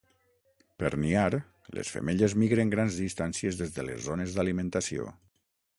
Per niar les femelles migren grans distàncies des de les zones d'alimentació.